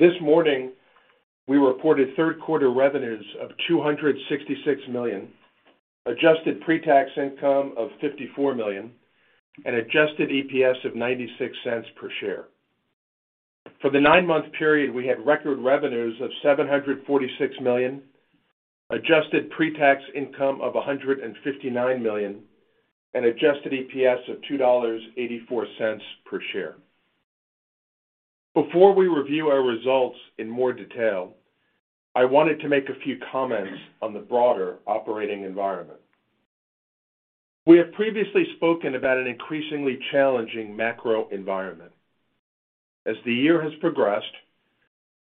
This morning, we reported third quarter revenues of $266 million, adjusted pre-tax income of $54 million, and adjusted EPS of $0.96 per share. For the nine-month period, we had record revenues of $746 million, adjusted pre-tax income of $159 million, and adjusted EPS of $2.84 per share. Before we review our results in more detail, I wanted to make a few comments on the broader operating environment. We have previously spoken about an increasingly challenging macro environment. As the year has progressed,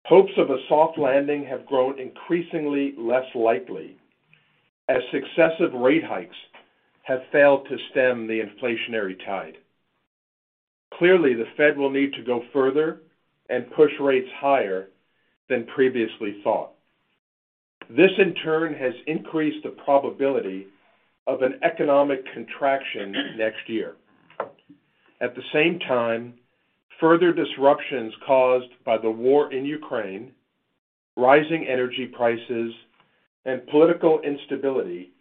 hopes of a soft landing have grown increasingly less likely, as successive rate hikes have failed to stem the inflationary tide. Clearly, the Fed will need to go further and push rates higher than previously thought. This, in turn, has increased the probability of an economic contraction next year. At the same time, further disruptions caused by the war in Ukraine, rising energy prices, and political instability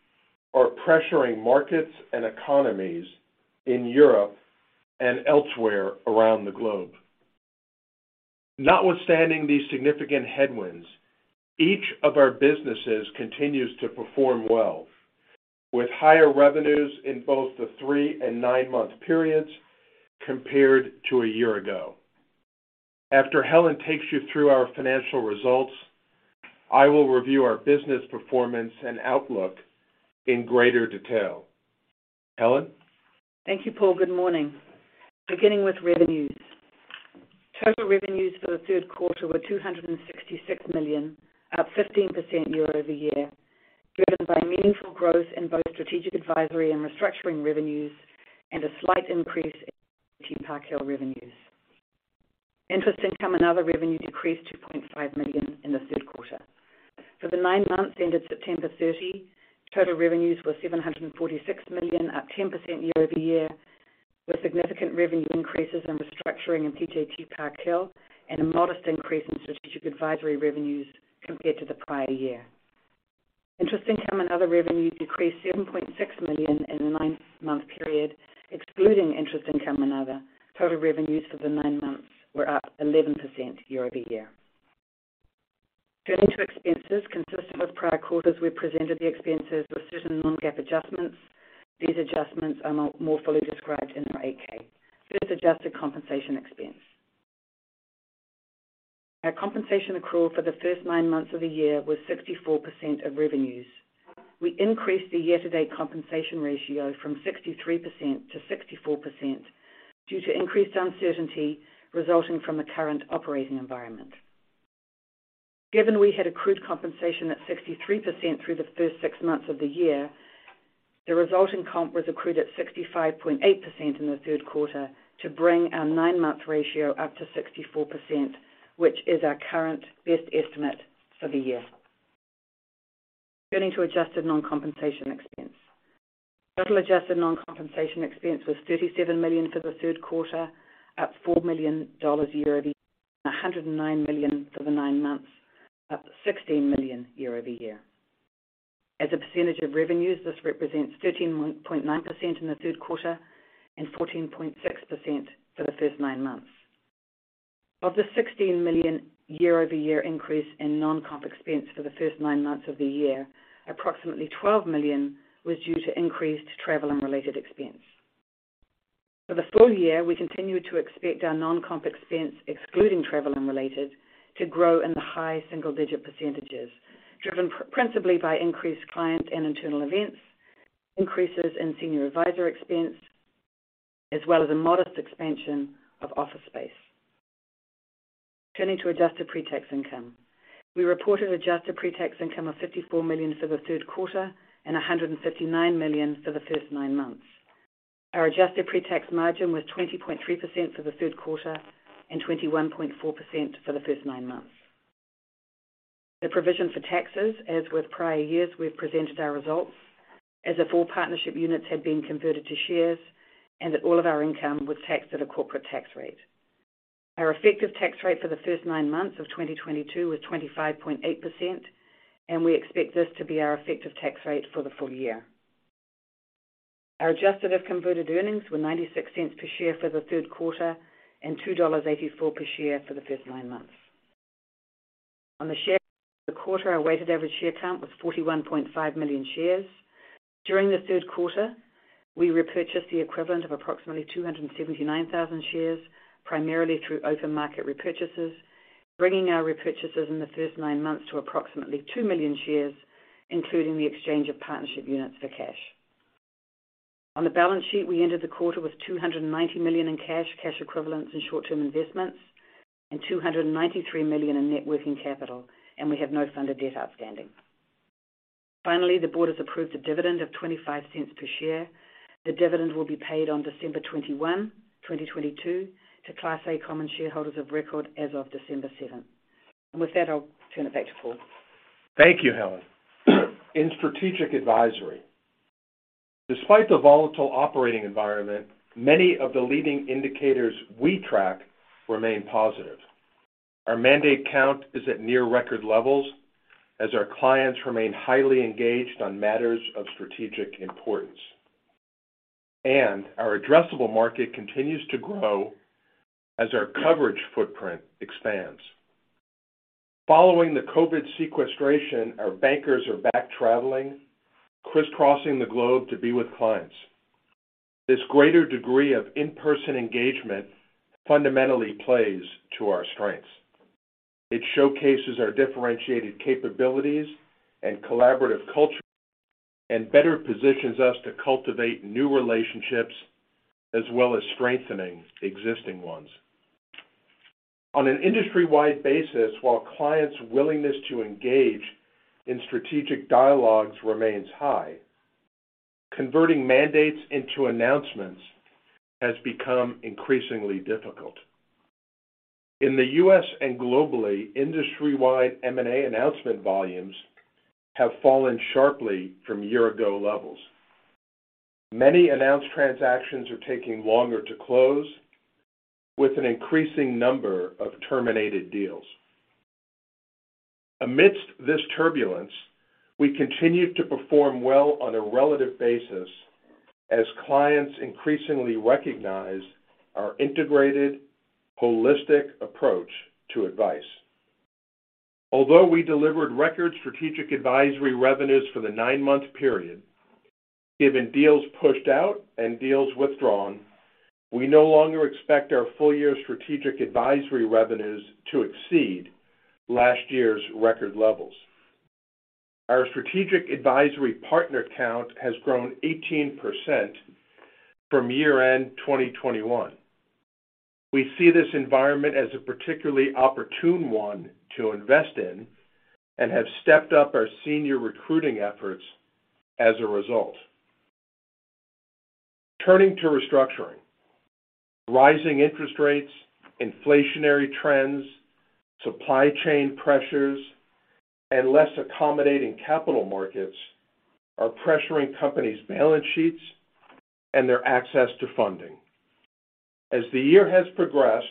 are pressuring markets and economies in Europe and elsewhere around the globe. Notwithstanding these significant headwinds, each of our businesses continues to perform well, with higher revenues in both the three and nine-month periods compared to a year ago. After Helen takes you through our financial results, I will review our business performance and outlook in greater detail. Helen? Thank you, Paul. Good morning. Beginning with revenues. Total revenues for the third quarter were $266 million, up 15% year-over-year, driven by meaningful growth in both strategic advisory and restructuring revenues and a slight increase in PJT Park Hill revenues. Interest income and other revenue decreased to $0.5 million in the third quarter. For the nine months ended September 30, total revenues were $746 million, up 10% year-over-year, with significant revenue increases in restructuring and PJT Park Hill and a modest increase in strategic advisory revenues compared to the prior year. Interest income and other revenue decreased $7.6 million in the nine-month period. Excluding interest income and other, total revenues for the nine months were up 11% year-over-year. Turning to expenses. Consistent with prior quarters, we presented the expenses with certain non-GAAP adjustments. These adjustments are more fully described in our 8-K. First, adjusted compensation expense. Our compensation accrual for the first nine months of the year was 64% of revenues. We increased the year-to-date compensation ratio from 63%-64% due to increased uncertainty resulting from the current operating environment. Given we had accrued compensation at 63% through the first six months of the year, the resulting comp was accrued at 65.8% in the third quarter to bring our nine-month ratio up to 64%, which is our current best estimate for the year. Turning to adjusted non-compensation expense. Total adjusted non-compensation expense was $37 million for the third quarter, up $4 million year-over-year, $109 million for the nine months, up $16 million year-over-year. As a percentage of revenues, this represents 13.9% in the third quarter and 14.6% for the first nine months. Of the $16 million year-over-year increase in non-comp expense for the first nine months of the year, approximately $12 million was due to increased travel and related expense. For the full year, we continue to expect our non-comp expense, excluding travel and related, to grow in the high single-digit percentages, driven principally by increased client and internal events, increases in senior advisor expense, as well as a modest expansion of office space. Turning to adjusted pre-tax income. We reported adjusted pre-tax income of $54 million for the third quarter and $159 million for the first nine months. Our adjusted pre-tax margin was 20.3% for the third quarter and 21.4% for the first nine months. The provision for taxes, as with prior years, we've presented our results as if all partnership units had been converted to shares and that all of our income was taxed at a corporate tax rate. Our effective tax rate for the first nine months of 2022 was 25.8%, and we expect this to be our effective tax rate for the full year. Our adjusted if converted earnings were $0.96 per share for the third quarter and $2.84 per share for the first nine months. On a per share basis for the quarter, our weighted average share count was 41.5 million shares. During the third quarter, we repurchased the equivalent of approximately 279,000 shares, primarily through open market repurchases, bringing our repurchases in the first nine months to approximately 2 million shares, including the exchange of partnership units for cash. On the balance sheet, we ended the quarter with $290 million in cash equivalents, and short-term investments, and $293 million in net working capital, and we have no funded debt outstanding. Finally, the board has approved a dividend of $0.25 per share. The dividend will be paid on December 21, 2022 to Class A common shareholders of record as of December 7. With that, I'll turn it back to Paul. Thank you, Helen. In Strategic Advisory, despite the volatile operating environment, many of the leading indicators we track remain positive. Our mandate count is at near record levels as our clients remain highly engaged on matters of strategic importance. Our addressable market continues to grow as our coverage footprint expands. Following the COVID sequestration, our bankers are back traveling, crisscrossing the globe to be with clients. This greater degree of in-person engagement fundamentally plays to our strengths. It showcases our differentiated capabilities and collaborative culture, and better positions us to cultivate new relationships as well as strengthening existing ones. On an industry-wide basis, while clients' willingness to engage in strategic dialogues remains high, converting mandates into announcements has become increasingly difficult. In the U.S. and globally, industry-wide M&A announcement volumes have fallen sharply from year ago levels. Many announced transactions are taking longer to close with an increasing number of terminated deals. Amidst this turbulence, we continue to perform well on a relative basis as clients increasingly recognize our integrated holistic approach to advice. Although we delivered record strategic advisory revenues for the nine-month period, given deals pushed out and deals withdrawn, we no longer expect our full year strategic advisory revenues to exceed last year's record levels. Our strategic advisory partner count has grown 18% from year-end 2021. We see this environment as a particularly opportune one to invest in and have stepped up our senior recruiting efforts as a result. Turning to restructuring. Rising interest rates, inflationary trends, supply chain pressures, and less accommodating capital markets are pressuring companies' balance sheets and their access to funding. As the year has progressed,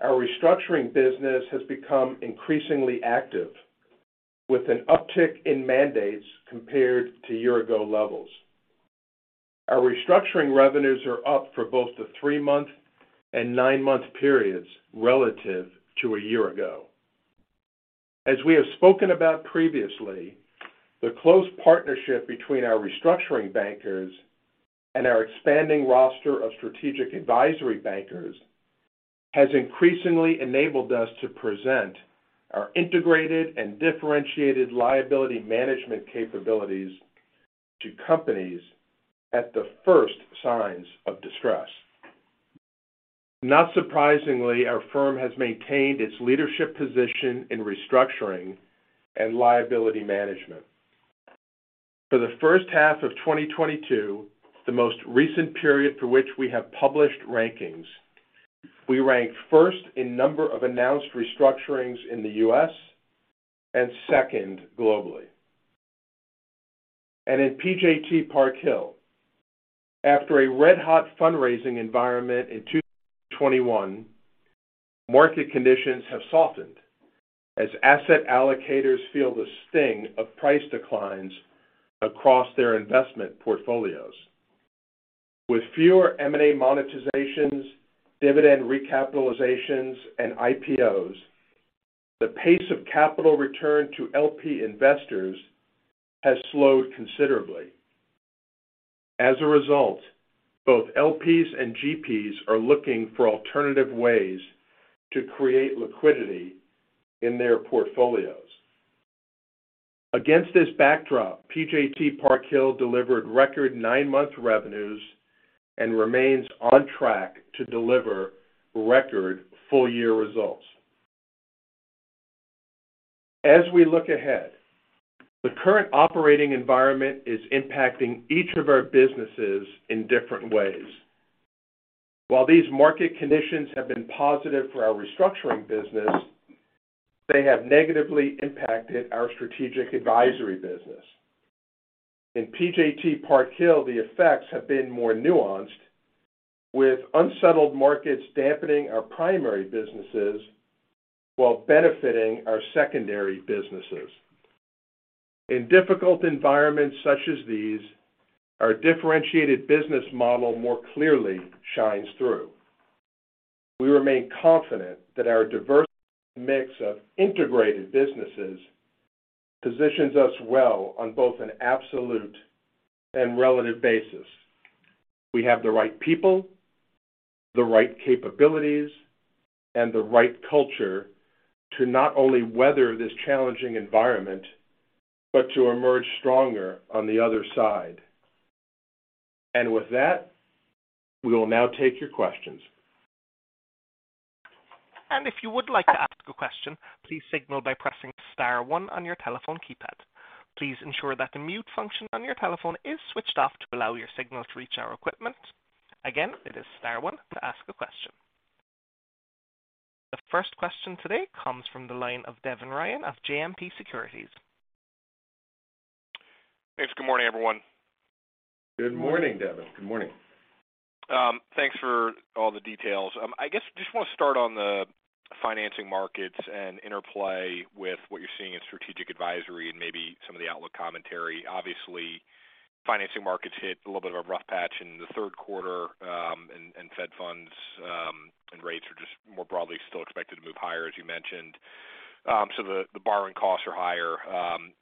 our restructuring business has become increasingly active with an uptick in mandates compared to a year ago levels. Our restructuring revenues are up for both the three-month and nine-month periods relative to a year ago. As we have spoken about previously, the close partnership between our restructuring bankers and our expanding roster of strategic advisory bankers has increasingly enabled us to present our integrated and differentiated liability management capabilities to companies at the first signs of distress. Not surprisingly, our firm has maintained its leadership position in restructuring and liability management. For the first half of 2022, the most recent period for which we have published rankings, we ranked first in number of announced restructurings in the U.S. and second globally. In PJT Park Hill, after a red-hot fundraising environment in 2021, market conditions have softened as asset allocators feel the sting of price declines across their investment portfolios. With fewer M&A monetizations, dividend recapitalizations, and IPOs, the pace of capital return to LP investors has slowed considerably. As a result, both LPs and GPs are looking for alternative ways to create liquidity in their portfolios. Against this backdrop, PJT Park Hill delivered record nine month revenues and remains on track to deliver record full-year results. As we look ahead, the current operating environment is impacting each of our businesses in different ways. While these market conditions have been positive for our restructuring business, they have negatively impacted our strategic advisory business. In PJT Park Hill, the effects have been more nuanced, with unsettled markets dampening our primary businesses while benefiting our secondary businesses. In difficult environments such as these, our differentiated business model more clearly shines through. We remain confident that our diverse mix of integrated businesses positions us well on both an absolute and relative basis. We have the right people, the right capabilities, and the right culture to not only weather this challenging environment, but to emerge stronger on the other side. With that, we will now take your questions. If you would like to ask a question, please signal by pressing star one on your telephone keypad. Please ensure that the mute function on your telephone is switched off to allow your signal to reach our equipment. Again, it is star one to ask a question. The first question today comes from the line of Devin Ryan of JMP Securities. Thanks. Good morning, everyone. Good morning, Devin. Good morning. Thanks for all the details. I guess just want to start on the financing markets and interplay with what you're seeing in Strategic Advisory and maybe some of the outlook commentary. Obviously, financing markets hit a little bit of a rough patch in the third quarter, and Fed funds and rates are just more broadly still expected to move higher, as you mentioned. The borrowing costs are higher.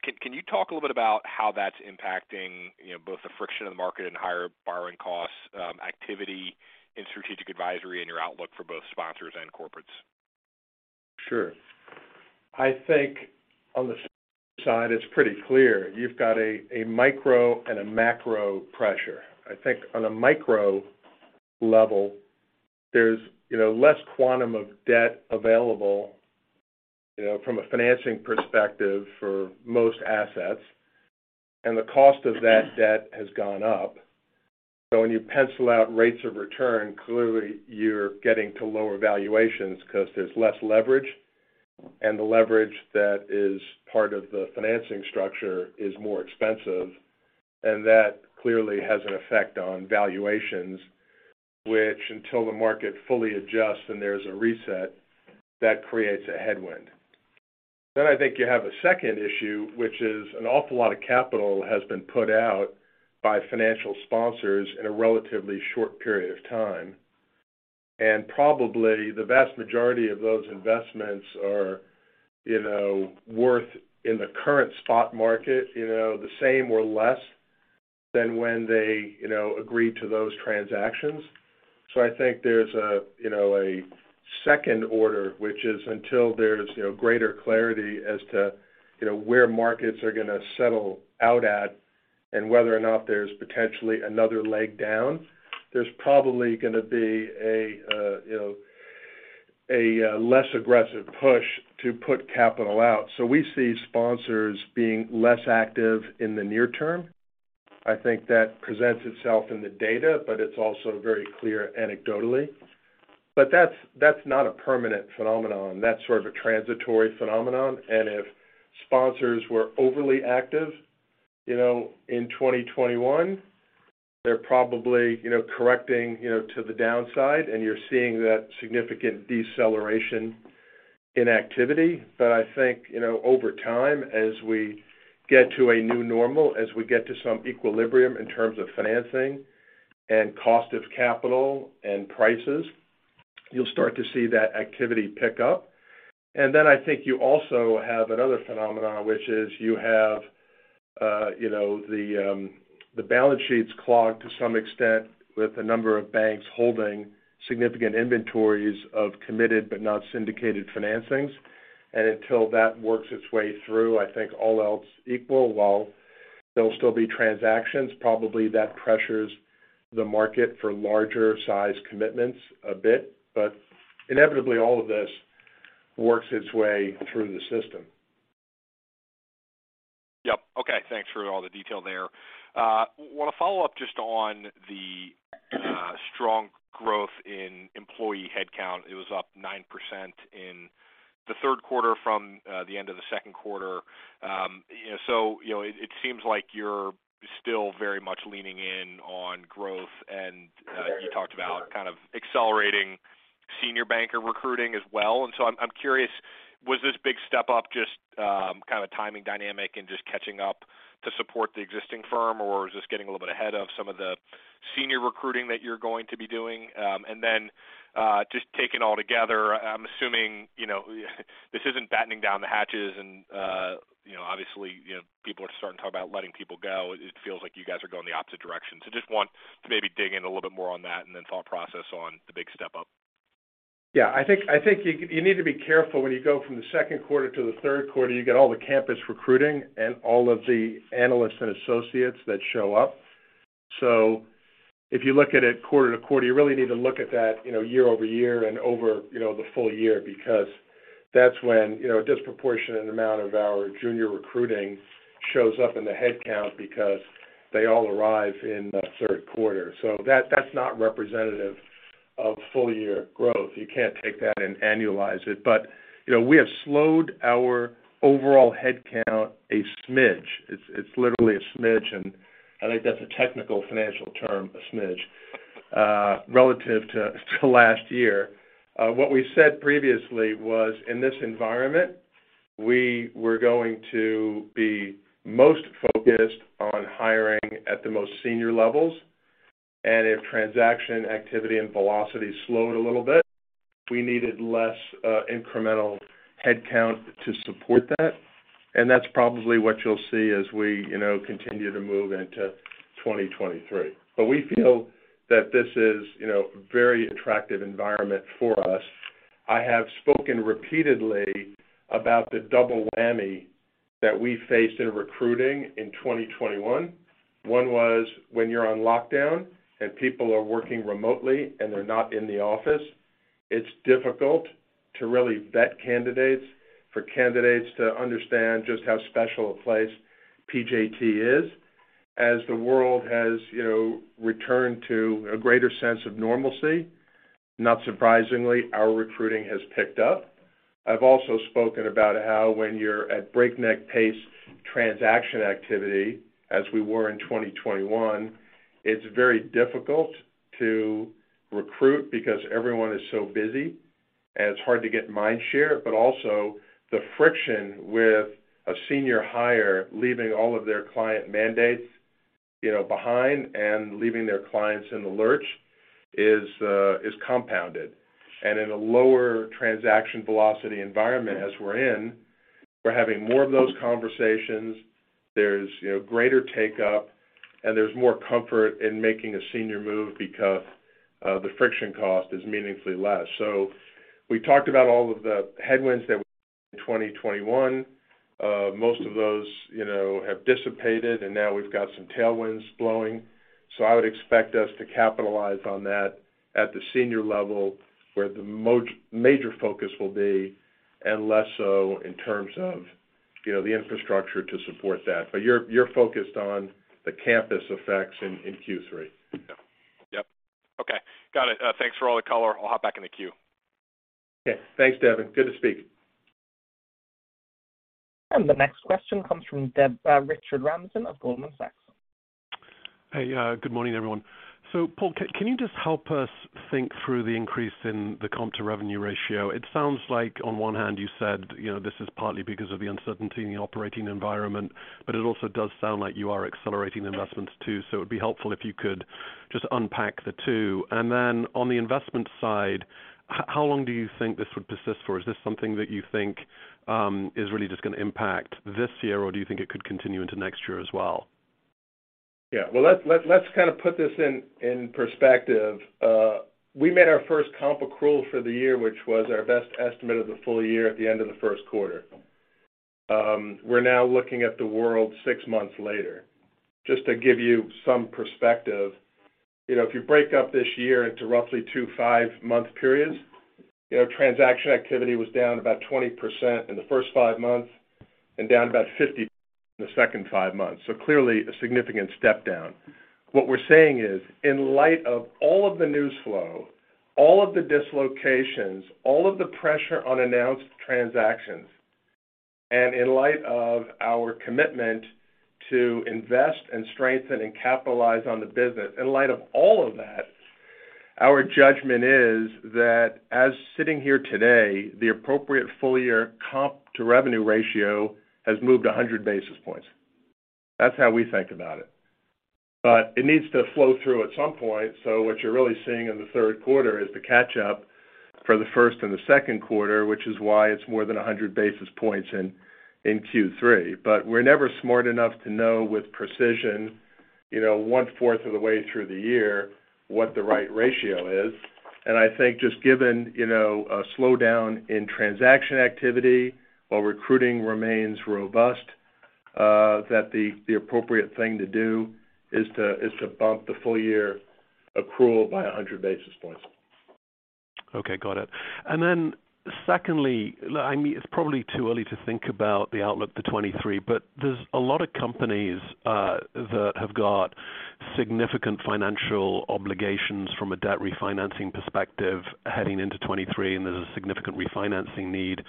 Can you talk a little bit about how that's impacting, you know, both the friction in the market and higher borrowing costs, activity in Strategic Advisory and your outlook for both sponsors and corporates? Sure. I think on the side, it's pretty clear you've got a micro and a macro pressure. I think on a micro level, there's you know, less quantum of debt available, you know, from a financing perspective for most assets. The cost of that debt has gone up. When you pencil out rates of return, clearly you're getting to lower valuations because there's less leverage, and the leverage that is part of the financing structure is more expensive. That clearly has an effect on valuations, which until the market fully adjusts and there's a reset, that creates a headwind. I think you have a second issue, which is an awful lot of capital has been put out by financial sponsors in a relatively short period of time. Probably the vast majority of those investments are, you know, worth in the current spot market, you know, the same or less than when they, you know, agreed to those transactions. I think there's a, you know, a second order, which is until there's, you know, greater clarity as to, you know, where markets are gonna settle out at and whether or not there's potentially another leg down, there's probably gonna be a, you know, a less aggressive push to put capital out. We see sponsors being less active in the near term. I think that presents itself in the data, but it's also very clear anecdotally. That's not a permanent phenomenon. That's sort of a transitory phenomenon. If sponsors were overly active, you know, in 2021, they're probably, you know, correcting, you know, to the downside, and you're seeing that significant deceleration in activity. I think, you know, over time, as we get to a new normal, as we get to some equilibrium in terms of financing and cost of capital and prices, you'll start to see that activity pick up. Then I think you also have another phenomenon, which is you have, you know, the balance sheets clogged to some extent with a number of banks holding significant inventories of committed but not syndicated financings. Until that works its way through, I think all else equal, while there'll be transactions, probably that pressures the market for larger size commitments a bit. Inevitably, all of this works its way through the system. Yep. Okay. Thanks for all the detail there. Want to follow up just on the strong growth in employee headcount. It was up 9% in the third quarter from the end of the second quarter. You know, it seems like you're still very much leaning in on growth. You talked about kind of accelerating senior banker recruiting as well. I'm curious, was this big step up just kind of timing dynamic and just catching up to support the existing firm, or was this getting a little bit ahead of some of the senior recruiting that you're going to be doing? Just taking all together, I'm assuming this isn't battening down the hatches and you know, obviously, you know, people are starting to talk about letting people go. It feels like you guys are going the opposite direction. Just want to maybe dig in a little bit more on that and then thought process on the big step up. Yeah. I think you need to be careful when you go from the second quarter to the third quarter. You get all the campus recruiting and all of the analysts and associates that show up. If you look at it quarter to quarter, you really need to look at that, you know, year over year and, you know, the full year, because that's when, you know, a disproportionate amount of our junior recruiting shows up in the headcount because they all arrive in the third quarter. That's not representative of full year growth. You can't take that and annualize it. You know, we have slowed our overall headcount a smidge. It's literally a smidge. I think that's a technical financial term, a smidge, relative to last year. What we said previously was, in this environment, we were going to be most focused on hiring at the most senior levels. If transaction activity and velocity slowed a little bit, we needed less incremental headcount to support that. That's probably what you'll see as we, you know, continue to move into 2023. We feel that this is, you know, a very attractive environment for us. I have spoken repeatedly about the double whammy that we faced in recruiting in 2021. One was when you're on lockdown and people are working remotely and they're not in the office, it's difficult to really vet candidates, for candidates to understand just how special a place PJT is. As the world has, you know, returned to a greater sense of normalcy, not surprisingly, our recruiting has picked up. I've also spoken about how when you're at breakneck pace transaction activity, as we were in 2021, it's very difficult to recruit because everyone is so busy and it's hard to get mind share, but also the friction with a senior hire leaving all of their client mandates, you know, behind and leaving their clients in the lurch is compounded. In a lower transaction velocity environment as we're in, we're having more of those conversations. There's, you know, greater take-up, and there's more comfort in making a senior move because the friction cost is meaningfully less. We talked about all of the headwinds that in 2021. Most of those, you know, have dissipated, and now we've got some tailwinds blowing. I would expect us to capitalize on that at the senior level, where the major focus will be, and less so in terms of, you know, the infrastructure to support that. You're focused on the campus effects in Q3. Yeah. Yep. Okay. Got it. Thanks for all the color. I'll hop back in the queue. Okay. Thanks, Devin. Good to speak. The next question comes from, Richard Ramsden of Goldman Sachs. Hey, good morning, everyone. Paul, can you just help us think through the increase in the comp to revenue ratio? It sounds like on one hand you said, you know, this is partly because of the uncertainty in the operating environment, but it also does sound like you are accelerating investments too. It'd be helpful if you could just unpack the two. Then on the investment side, how long do you think this would persist for? Is this something that you think is really just gonna impact this year, or do you think it could continue into next year as well? Yeah. Well, let's kind of put this in perspective. We made our first comp accrual for the year, which was our best estimate of the full year at the end of the first quarter. We're now looking at the world six months later. Just to give you some perspective, you know, if you break up this year into roughly two five month periods, you know, transaction activity was down about 20% in the first five months and down about 50% in the second five months. Clearly a significant step down. What we're saying is, in light of all of the news flow, all of the dislocations, all of the pressure on announced transactions, and in light of our commitment to invest and strengthen and capitalize on the business, in light of all of that, our judgment is that as we're sitting here today, the appropriate full year comp to revenue ratio has moved 100 basis points. That's how we think about it. It needs to flow through at some point. What you're really seeing in the third quarter is the catch-up for the first and the second quarter, which is why it's more than 100 basis points in Q3. We're never smart enough to know with precision, you know, one-fourth of the way through the year what the right ratio is. I think just given, you know, a slowdown in transaction activity while recruiting remains robust, that the appropriate thing to do is to bump the full year accrual by 100 basis points. Okay, got it. Then secondly, look, I mean, it's probably too early to think about the outlook for 2023, but there's a lot of companies that have got significant financial obligations from a debt refinancing perspective heading into 2023, and there's a significant refinancing need.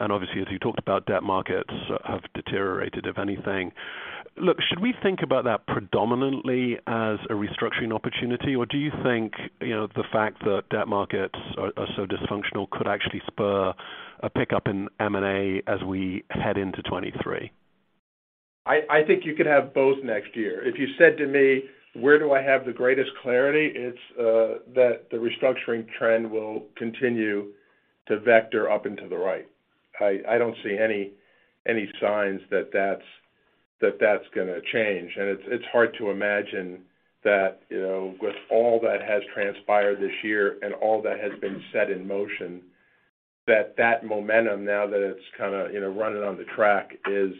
Obviously, as you talked about, debt markets have deteriorated, if anything. Look, should we think about that predominantly as a restructuring opportunity, or do you think, you know, the fact that debt markets are so dysfunctional could actually spur a pickup in M&A as we head into 2023? I think you could have both next year. If you said to me, where do I have the greatest clarity, it's that the Restructuring trend will continue to vector up into the right. I don't see any signs that that's gonna change. It's hard to imagine that, you know, with all that has transpired this year and all that has been set in motion, that that momentum, now that it's kinda, you know, running on the track, is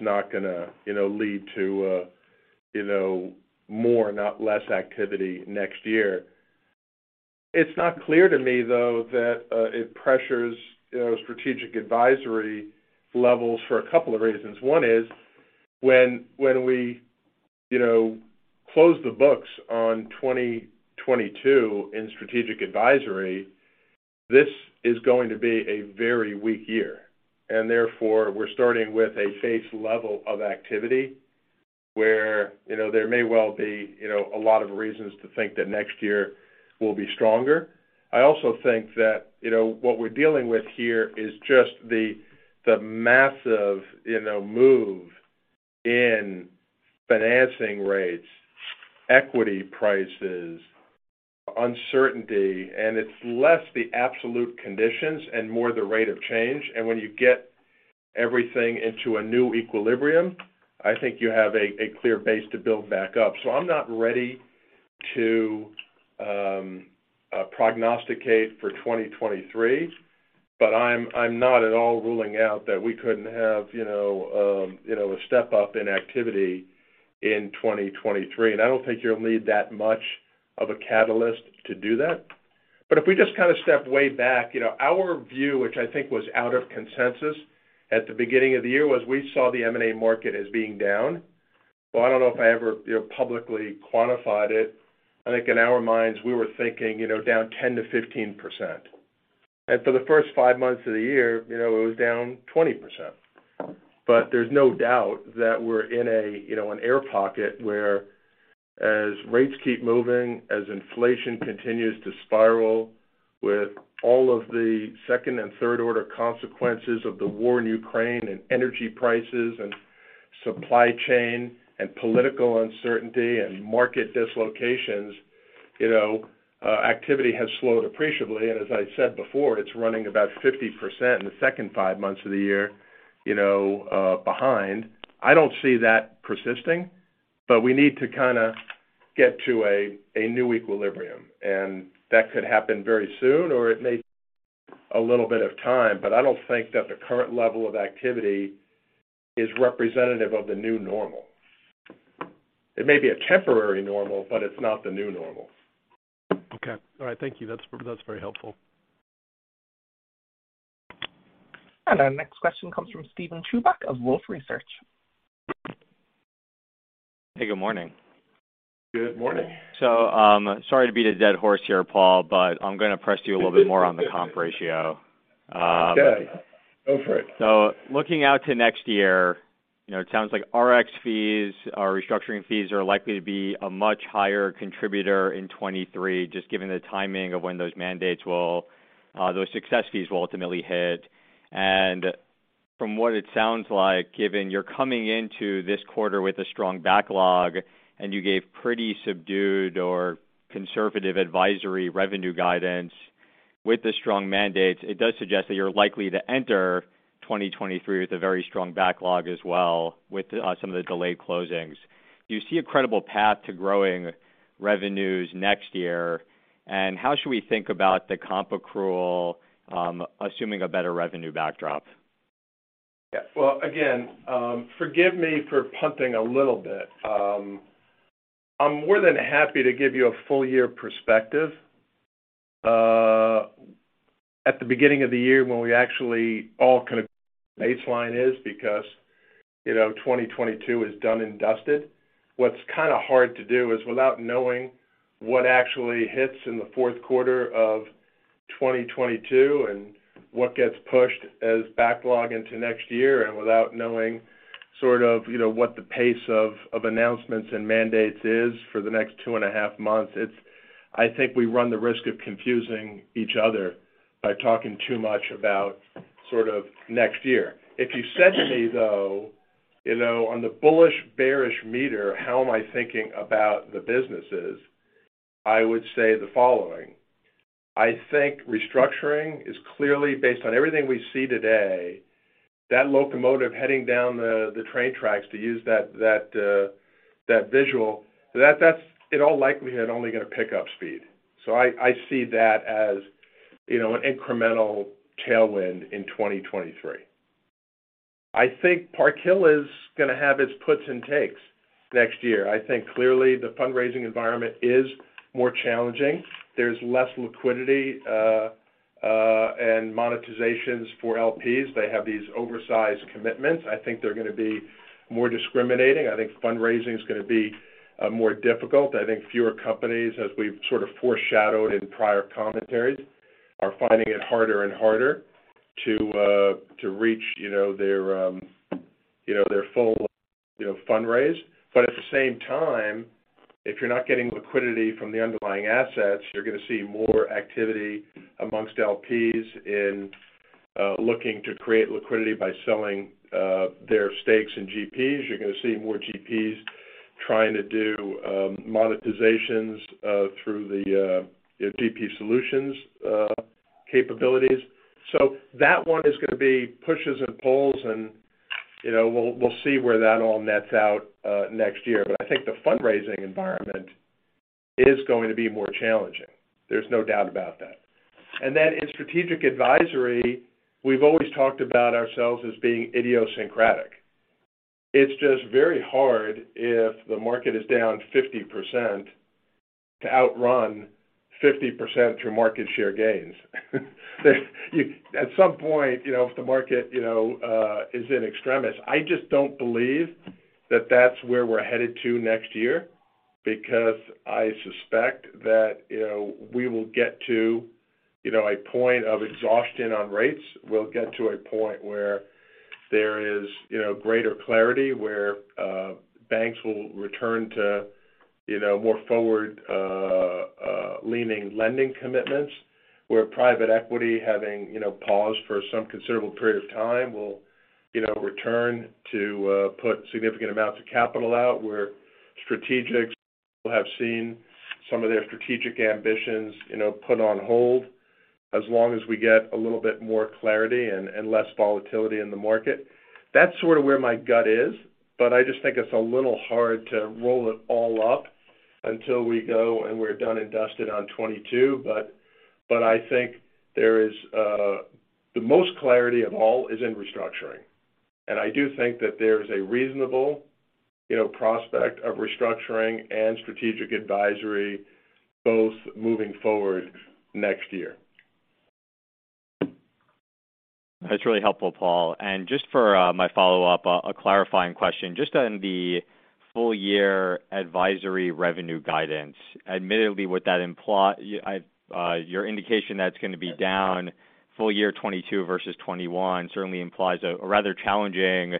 not gonna, you know, lead to, you know, more, not less activity next year. It's not clear to me, though, that it pressures, you know, Strategic Advisory levels for a couple of reasons. One is when we, you know, close the books on 2022 in Strategic Advisory, this is going to be a very weak year, and therefore we're starting with a base level of activity where, you know, there may well be, you know, a lot of reasons to think that next year will be stronger. I also think that, you know, what we're dealing with here is just the massive, you know, move in financing rates, equity prices, uncertainty, and it's less the absolute conditions and more the rate of change. When you get everything into a new equilibrium, I think you have a clear base to build back up. I'm not ready to prognosticate for 2023, but I'm not at all ruling out that we couldn't have, you know, a step up in activity in 2023. I don't think you'll need that much of a catalyst to do that. If we just kind of step way back, you know, our view, which I think was out of consensus at the beginning of the year, was we saw the M&A market as being down. I don't know if I ever, you know, publicly quantified it. I think in our minds we were thinking, you know, down 10%-15%. For the first five months of the year, you know, it was down 20%. There's no doubt that we're in a, you know, an air pocket where, as rates keep moving, as inflation continues to spiral, with all of the second and third order consequences of the war in Ukraine and energy prices and supply chain and political uncertainty and market dislocations, you know, activity has slowed appreciably. As I said before, it's running about 50% in the second five months of the year, you know, behind. I don't see that persisting, but we need to kinda get to a new equilibrium. That could happen very soon or it may take a little bit of time. I don't think that the current level of activity is representative of the new normal. It may be a temporary normal, but it's not the new normal. Okay. All right. Thank you. That's very helpful. Our next question comes from Steven Chubak of Wolfe Research. Hey, good morning. Good morning. Sorry to beat a dead horse here, Paul, but I'm gonna press you a little bit more on the comp ratio. Okay, go for it. Looking out to next year, you know, it sounds like RX fees or restructuring fees are likely to be a much higher contributor in 2023, just given the timing of when those success fees will ultimately hit. From what it sounds like, given you're coming into this quarter with a strong backlog and you gave pretty subdued or conservative advisory revenue guidance with the strong mandates, it does suggest that you're likely to enter 2023 with a very strong backlog as well, with some of the delayed closings. Do you see a credible path to growing revenues next year? How should we think about the comp accrual, assuming a better revenue backdrop? Yeah. Well, again, forgive me for punting a little bit. I'm more than happy to give you a full year perspective. At the beginning of the year when we actually all kind of baseline is because, you know, 2022 is done and dusted. What's kinda hard to do is, without knowing what actually hits in the fourth quarter of 2022 and what gets pushed as backlog into next year, and without knowing sort of, you know, what the pace of announcements and mandates is for the next two and a half months, it's, I think we run the risk of confusing each other by talking too much about sort of next year. If you said to me though, you know, on the bullish, bearish meter, how am I thinking about the businesses, I would say the following: I think restructuring is clearly, based on everything we see today, that locomotive heading down the train tracks, to use that visual, that's in all likelihood only gonna pick up speed. I see that as, you know, an incremental tailwind in 2023. I think Park Hill is gonna have its puts and takes next year. I think clearly the fundraising environment is more challenging. There's less liquidity and monetizations for LPs. They have these oversized commitments. I think they're gonna be more discriminating. I think fundraising is gonna be more difficult. I think fewer companies, as we've sort of foreshadowed in prior commentaries, are finding it harder and harder to reach, you know, their full fundraise. But at the same time, if you're not getting liquidity from the underlying assets, you're gonna see more activity amongst LPs in looking to create liquidity by selling their stakes in GPs. You're gonna see more GPs trying to do monetizations through the, you know, GP solutions capabilities. So that one is gonna be pushes and pulls and, you know, we'll see where that all nets out next year. But I think the fundraising environment is going to be more challenging. There's no doubt about that. In Strategic Advisory, we've always talked about ourselves as being idiosyncratic. It's just very hard if the market is down 50% to outrun 50% through market share gains. At some point, you know, if the market, you know, is in extremis, I just don't believe that that's where we're headed to next year because I suspect that, you know, we will get to, you know, a point of exhaustion on rates. We'll get to a point where there is, you know, greater clarity, where banks will return to, you know, more forward leaning lending commitments, where private equity having, you know, paused for some considerable period of time will, you know, return to put significant amounts of capital out, where strategics have seen some of their strategic ambitions, you know, put on hold as long as we get a little bit more clarity and less volatility in the market. That's sort of where my gut is, but I just think it's a little hard to roll it all up until we go and we're done and dusted on 2022. But I think there is the most clarity of all is in Restructuring. I do think that there's a reasonable, you know, prospect of Restructuring and Strategic Advisory both moving forward next year. That's really helpful, Paul. Just for my follow-up, a clarifying question just on the full year advisory revenue guidance. Admittedly, your indication that's gonna be down full year 2022 versus 2021 certainly implies a rather challenging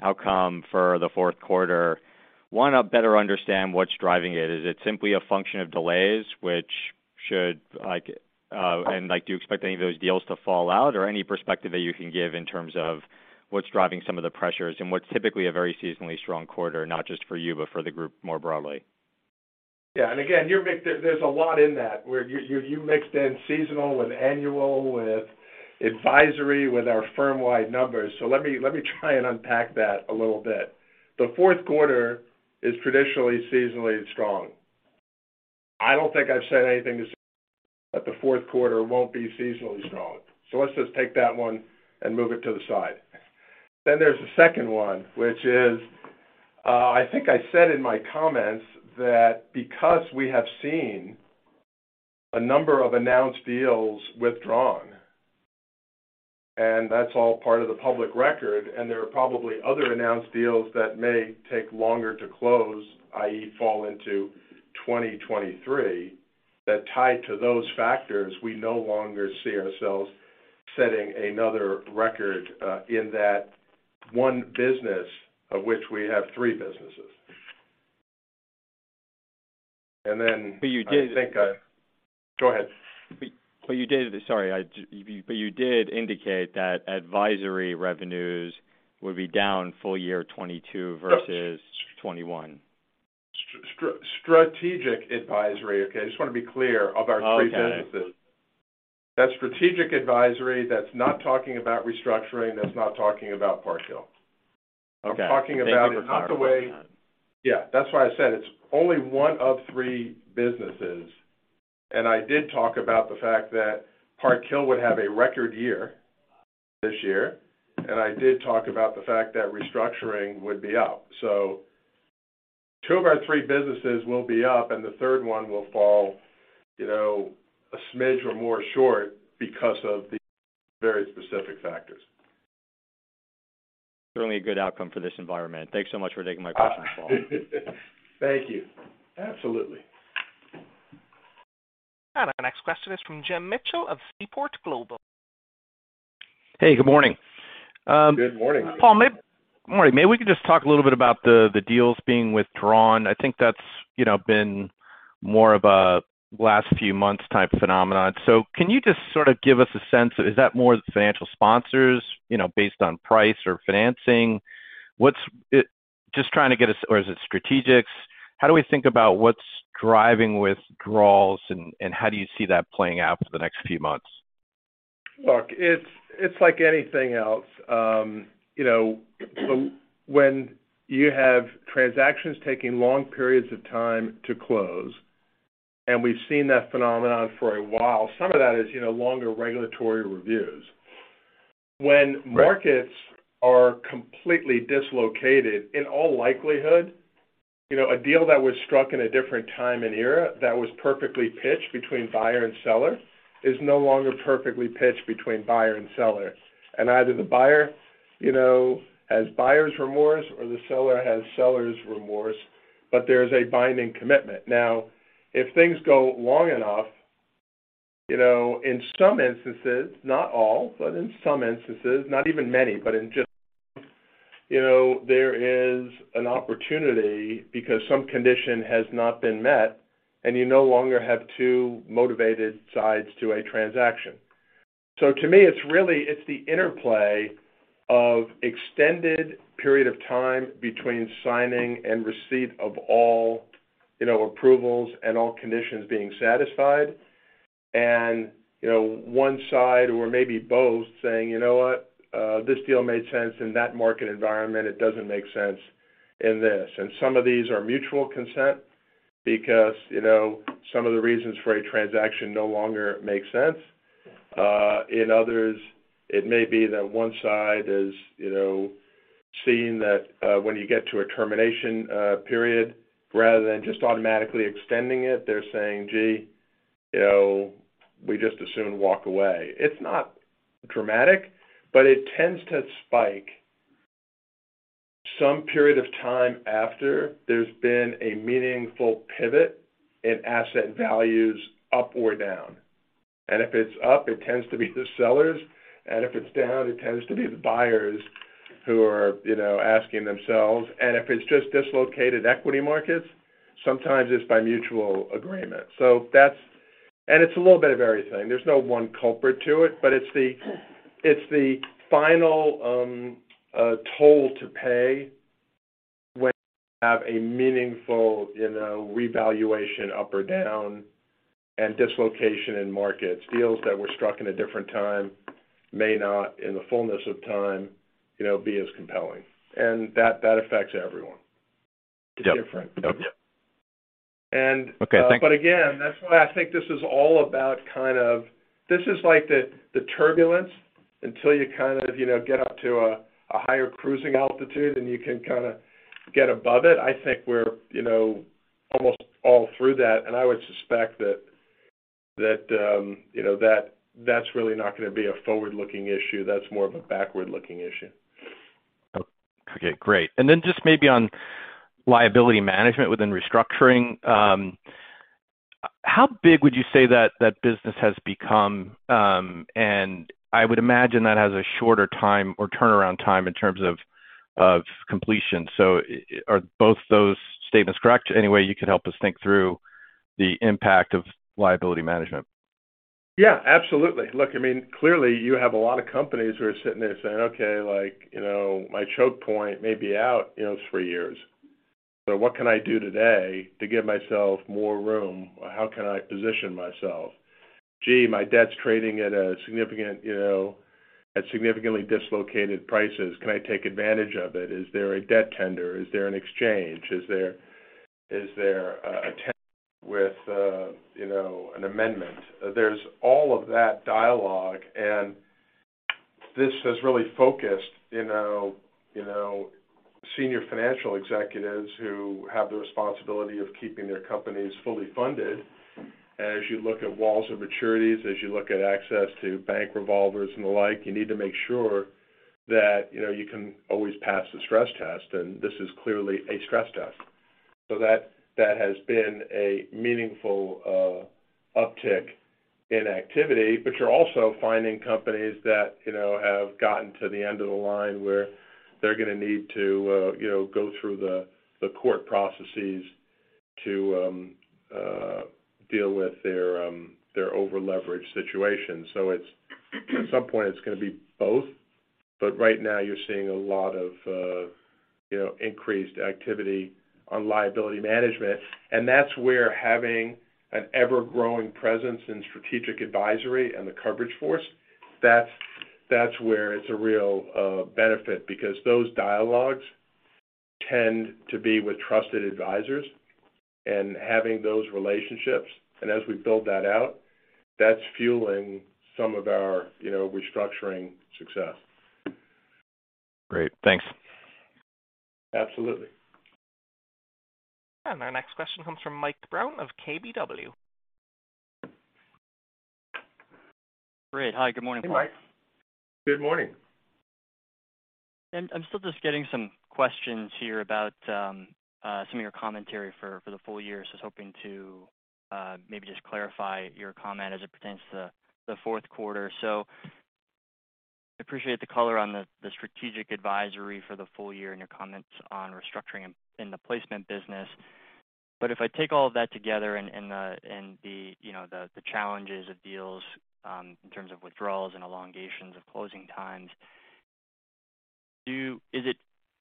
outcome for the fourth quarter. Wanna better understand what's driving it. Is it simply a function of delays, which should like and like, do you expect any of those deals to fall out, or any perspective that you can give in terms of what's driving some of the pressures in what's typically a very seasonally strong quarter, not just for you, but for the group more broadly? Yeah. Again, there's a lot in that where you mixed in seasonal with annual, with advisory, with our firm-wide numbers. Let me try and unpack that a little bit. The fourth quarter is traditionally seasonally strong. I don't think I've said anything to that the fourth quarter won't be seasonally strong. Let's just take that one and move it to the side. Then there's the second one, which is, I think I said in my comments that because we have seen a number of announced deals withdrawn, and that's all part of the public record, and there are probably other announced deals that may take longer to close, i.e. fall into 2023, that tied to those factors, we no longer see ourselves setting another record, in that one business of which we have three businesses. Then. You did. Go ahead. You did indicate that advisory revenues would be down full year 2022 versus 2021. Strategic Advisory. Okay? I just wanna be clear of our three businesses. Okay. That's Strategic Advisory, that's not talking about Restructuring, that's not talking about Park Hill. Okay. I'm talking about it not the way. Thank you for the clarification. Yeah. That's why I said it's only one of three businesses. I did talk about the fact that Park Hill would have a record year this year. I did talk about the fact that restructuring would be up. Two of our three businesses will be up, and the third one will fall, you know, a smidge or more short because of the very specific factors. Certainly a good outcome for this environment. Thanks so much for taking my question, Paul. Thank you. Absolutely. Our next question is from Jim Mitchell of Seaport Global. Hey, good morning. Good morning. Paul, morning. Maybe we could just talk a little bit about the deals being withdrawn. I think that's, you know, been more of a last few months type phenomenon. Can you just sort of give us a sense, is that more the financial sponsors, you know, based on price or financing? Or is it strategics? How do we think about what's driving withdrawals and how do you see that playing out for the next few months? Look, it's like anything else. You know, when you have transactions taking long periods of time to close, and we've seen that phenomenon for a while, some of that is, you know, longer regulatory reviews. When markets are completely dislocated, in all likelihood, you know, a deal that was struck in a different time and era that was perfectly pitched between buyer and seller is no longer perfectly pitched between buyer and seller. Either the buyer, you know, has buyer's remorse or the seller has seller's remorse, but there is a binding commitment. Now, if things go long enough, you know, in some instances, not all, but in some instances, not even many, but in just, you know, there is an opportunity because some condition has not been met and you no longer have two motivated sides to a transaction. To me, it's really, it's the interplay of extended period of time between signing and receipt of all, you know, approvals and all conditions being satisfied. You know, one side or maybe both saying, "You know what? This deal made sense in that market environment. It doesn't make sense in this." Some of these are mutual consent because, you know, some of the reasons for a transaction no longer makes sense. In others, it may be that one side is, you know, seeing that, when you get to a termination period, rather than just automatically extending it, they're saying, "Gee, you know, we'd just as soon walk away." It's not dramatic, but it tends to spike some period of time after there's been a meaningful pivot in asset values up or down. If it's up, it tends to be the sellers. If it's down, it tends to be the buyers who are, you know, asking themselves. If it's just dislocated equity markets, sometimes it's by mutual agreement. It's a little bit of everything. There's no one culprit to it, but it's the final toll to pay when you have a meaningful, you know, revaluation up or down and dislocation in markets. Deals that were struck in a different time may not, in the fullness of time, you know, be as compelling. That affects everyone. Yep. It's different. Yep. And- Okay. Again, that's why I think this is all about kind of. This is like the turbulence until you kind of, you know, get up to a higher cruising altitude, and you can kinda get above it. I think we're, you know, almost all through that, and I would suspect that, you know, that's really not gonna be a forward-looking issue. That's more of a backward-looking issue. Okay, great. Just maybe on liability management within restructuring, how big would you say that business has become? I would imagine that has a shorter time or turnaround time in terms of completion. Are both those statements correct? Any way you could help us think through the impact of liability management? Yeah, absolutely. Look, I mean, clearly, you have a lot of companies who are sitting there saying, "Okay. Like, you know, my choke point may be out, you know, three years. So what can I do today to give myself more room? How can I position myself? Gee, my debt's trading at a significant, you know, at significantly dislocated prices. Can I take advantage of it? Is there a debt tender? Is there an exchange? Is there a tender with, you know, an amendment?" There's all of that dialogue, and this has really focused, you know, senior financial executives who have the responsibility of keeping their companies fully funded. As you look at walls of maturities, as you look at access to bank revolvers and the like, you need to make sure that, you know, you can always pass the stress test, and this is clearly a stress test. That has been a meaningful uptick in activity. You're also finding companies that, you know, have gotten to the end of the line, where they're gonna need to, you know, go through the court processes to deal with their over-leveraged situation. At some point it's gonna be both. Right now you're seeing a lot of, you know, increased activity on liability management. That's where having an ever-growing presence in Strategic Advisory and the coverage force, that's where it's a real benefit because those dialogues tend to be with trusted advisors and having those relationships. As we build that out, that's fueling some of our, you know, Restructuring success. Great. Thanks. Absolutely. Our next question comes from Mike Brown of KBW. Great. Hi, good morning. Hey, Mike. Good morning. I'm still just getting some questions here about some of your commentary for the full year. I was hoping to maybe just clarify your comment as it pertains to the fourth quarter. Appreciate the color on the strategic advisory for the full year and your comments on restructuring in the placement business. If I take all of that together and the, you know, the challenges of deals in terms of withdrawals and elongations of closing times, is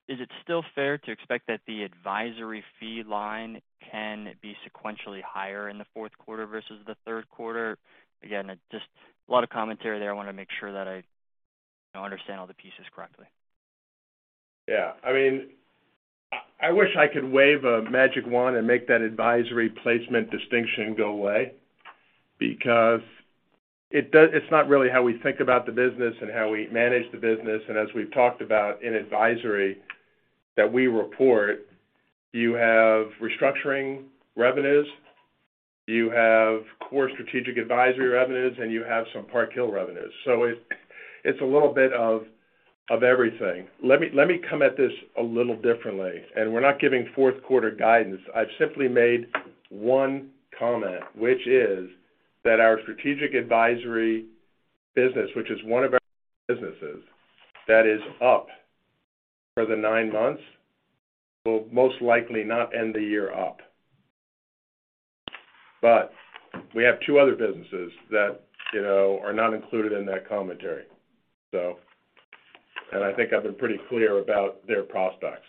it still fair to expect that the advisory fee line can be sequentially higher in the fourth quarter versus the third quarter? Again, just a lot of commentary there. I wanna make sure that I understand all the pieces correctly. Yeah. I mean, I wish I could wave a magic wand and make that advisory placement distinction go away because it's not really how we think about the business and how we manage the business. As we've talked about in advisory that we report, you have restructuring revenues, you have core strategic advisory revenues, and you have some Park Hill revenues. It's a little bit of everything. Let me come at this a little differently, and we're not giving fourth quarter guidance. I've simply made one comment, which is that our strategic advisory business, which is one of our businesses that is up for the nine months, will most likely not end the year up. We have two other businesses that, you know, are not included in that commentary. I think I've been pretty clear about their prospects.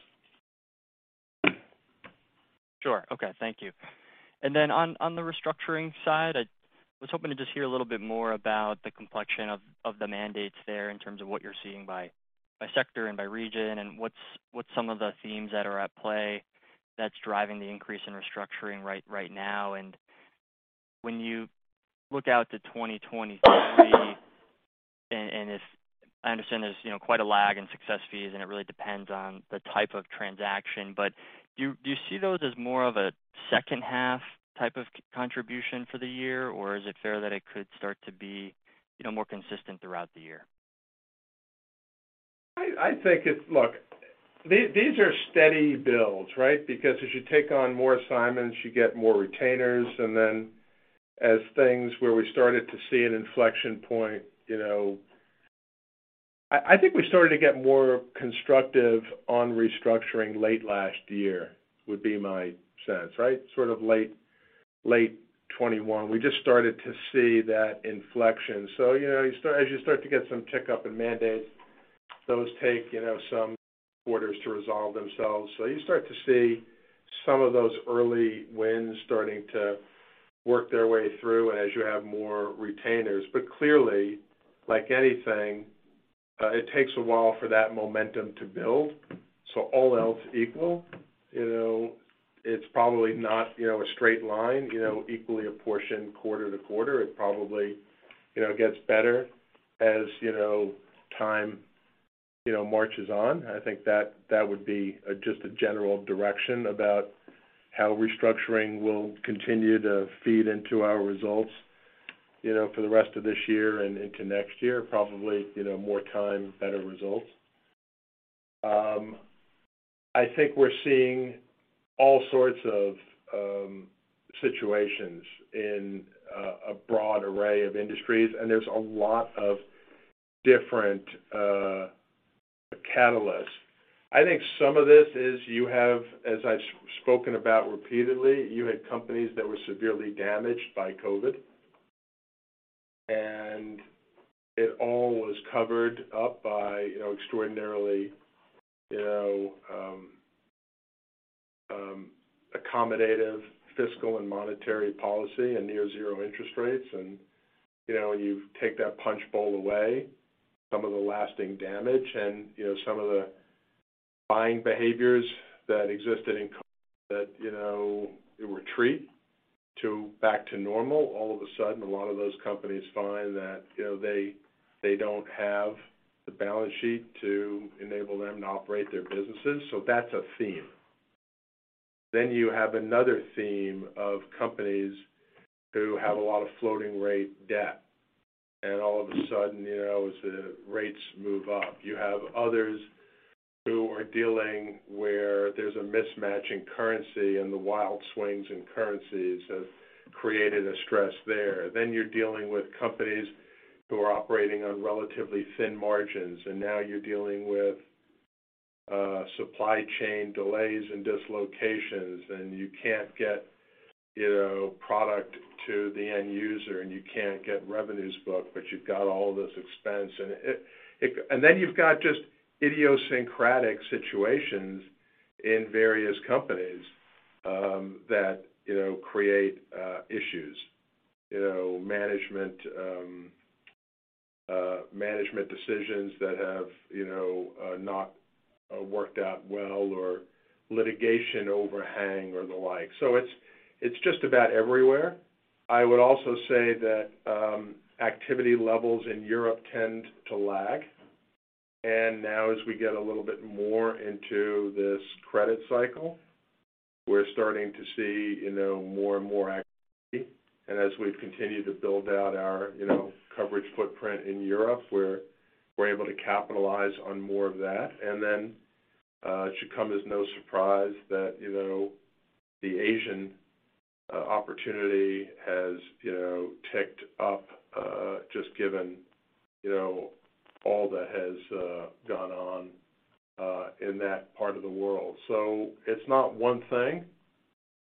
Sure. Okay, thank you. Then on the restructuring side, I was hoping to just hear a little bit more about the complexion of the mandates there in terms of what you're seeing by sector and by region, and what's some of the themes that are at play that's driving the increase in restructuring right now? When you look out to 2023, if I understand there's, you know, quite a lag in success fees, and it really depends on the type of transaction. Do you see those as more of a second half type of contribution for the year? Is it fair that it could start to be, you know, more consistent throughout the year? Look, these are steady builds, right? Because as you take on more assignments, you get more retainers. Then as things where we started to see an inflection point, you know, I think we started to get more constructive on restructuring late last year, would be my sense, right? Sort of late 2021. We just started to see that inflection. You know, as you start to get some tick up in mandates, those take, you know, some quarters to resolve themselves. You start to see some of those early wins starting to work their way through as you have more retainers. Clearly, like anything, it takes a while for that momentum to build. All else equal, you know, it's probably not, you know, a straight line, you know, equally apportioned quarter to quarter. It probably, you know, gets better as, you know, time, you know, marches on. I think that would be just a general direction about how restructuring will continue to feed into our results, you know, for the rest of this year and into next year, probably, you know, more time, better results. I think we're seeing all sorts of situations in a broad array of industries, and there's a lot of different catalysts. I think some of this is you have, as I've spoken about repeatedly, you had companies that were severely damaged by COVID. It all was covered up by, you know, extraordinarily, you know, accommodative fiscal and monetary policy and near zero interest rates. You know, you take that punchbowl away, some of the lasting damage and, you know, some of the buying behaviors that existed in that, you know, retreat to back to normal. All of a sudden, a lot of those companies find that, you know, they don't have the balance sheet to enable them to operate their businesses. That's a theme. You have another theme of companies who have a lot of floating rate debt, and all of a sudden, you know, as the rates move up. You have others who are dealing where there's a mismatch in currency, and the wild swings in currencies have created a stress there. You're dealing with companies who are operating on relatively thin margins, and now you're dealing with supply chain delays and dislocations, and you can't get, you know, product to the end user, and you can't get revenues booked, but you've got all this expense. You've got just idiosyncratic situations in various companies that, you know, create issues. You know, management decisions that have, you know, not worked out well or litigation overhang or the like. It's just about everywhere. I would also say that activity levels in Europe tend to lag. Now as we get a little bit more into this credit cycle, we're starting to see, you know, more and more activity. As we've continued to build out our, you know, coverage footprint in Europe, we're able to capitalize on more of that. It should come as no surprise that, you know, the Asian opportunity has, you know, ticked up just given, you know, all that has gone on in that part of the world. It's not one thing.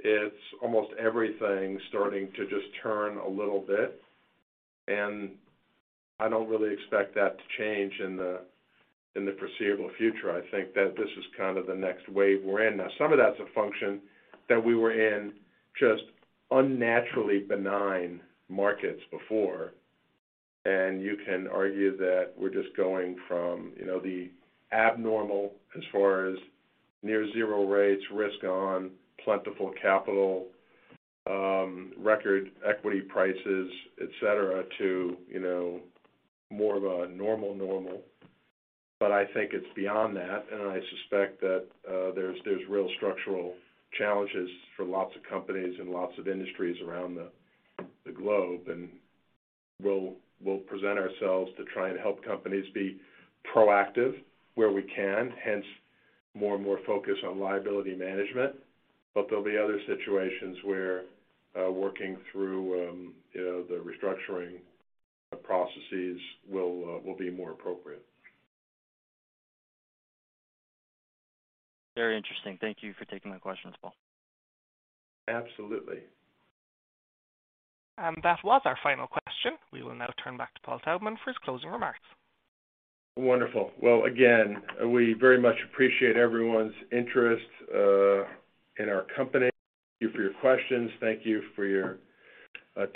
It's almost everything starting to just turn a little bit, and I don't really expect that to change in the foreseeable future. I think that this is kind of the next wave we're in now. Some of that's a function that we were in just unnaturally benign markets before, and you can argue that we're just going from, you know, the abnormal as far as near zero rates, risk on plentiful capital, record equity prices, et cetera, to, you know, more of a normal. I think it's beyond that, and I suspect that there's real structural challenges for lots of companies and lots of industries around the globe. We'll present ourselves to try and help companies be proactive where we can, hence more and more focus on liability management. There'll be other situations where working through, you know, the restructuring processes will be more appropriate. Very interesting. Thank you for taking the questions, Paul. Absolutely. That was our final question. We will now turn back to Paul J. Taubman for his closing remarks. Wonderful. Well, again, we very much appreciate everyone's interest in our company. Thank you for your questions. Thank you for your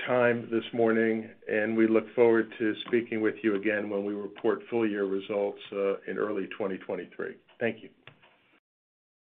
time this morning, and we look forward to speaking with you again when we report full year results in early 2023. Thank you.